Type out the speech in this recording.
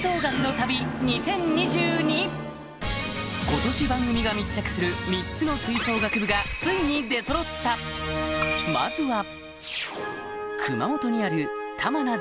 今年番組が密着する３つの吹奏楽部がついに出そろったまずは